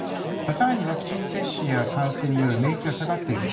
更にワクチン接種や感染による免疫が下がってきている